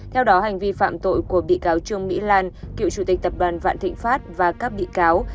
theo đó hành vi phạm tội của bị cáo trương mỹ lan cựu chủ tịch tập đoàn vạn thịnh pháp và các bị cáo